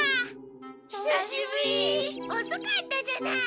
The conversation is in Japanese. ひさしぶり。おそかったじゃない。